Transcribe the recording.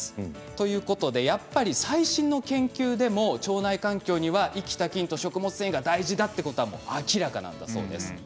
ということでやっぱり最新の研究でも腸内環境には、生きた菌と食物繊維が大事だということは明らかなんです。